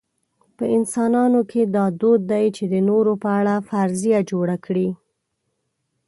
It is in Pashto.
په انسانانو کې دا دود دی چې د نورو په اړه فرضیه جوړه کړي.